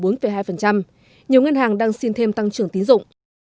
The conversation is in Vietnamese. nhiều ngân hàng đang xin thêm tăng trưởng tín dụng